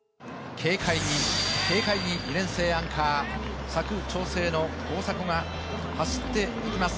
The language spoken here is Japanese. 軽快に、軽快に２年生アンカー佐久長聖の大迫が走っていきます。